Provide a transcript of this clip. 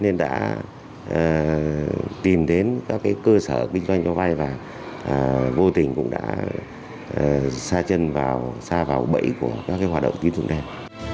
nên đã tìm đến các cơ sở kinh doanh cho vai và vô tình cũng đã xa chân vào bẫy của các hoạt động tín dụng đen